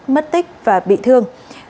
mất tích và bị thương